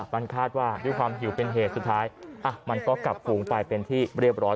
มันคาดว่าด้วยความหิวเป็นเหตุสุดท้ายมันก็กลับฝูงไปเป็นที่เรียบร้อย